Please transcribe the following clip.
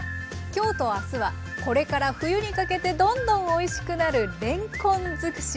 今日と明日はこれから冬にかけてどんどんおいしくなるれんこん尽くし。